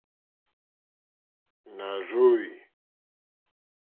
Nà rzóhwè.